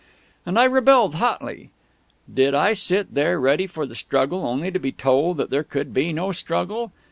And I rebelled hotly. Did I sit there, ready for the struggle, only to be told that there could be no struggle?